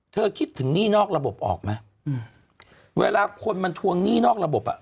คิดถึงหนี้นอกระบบออกไหมอืมเวลาคนมันทวงหนี้นอกระบบอ่ะ